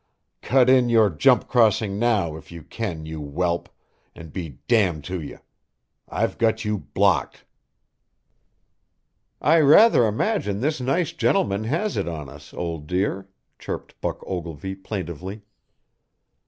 Cut in your jump crossing now, if you can, you whelp, and be damned to you. I've got you blocked!" "I rather imagine this nice gentleman has it on us, old dear," chirped Buck Ogilvy plaintively.